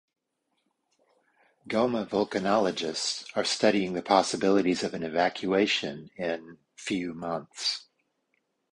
Goma vulcanologists are studying the possibilities of an evacuation in few months.